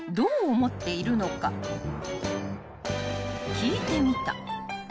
［聞いてみた］